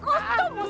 kita harus ke rumah